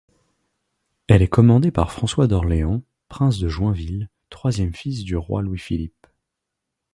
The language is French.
Elle est commandée par François d'Orléans, prince de Joinville, troisième fils du roi Louis-Philippe.